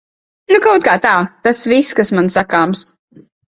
Nu kautkā tā. Tas viss, kas man sakāms.